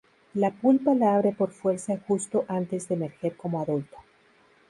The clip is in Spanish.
La pupa la abre por fuerza justo antes de emerger como adulto.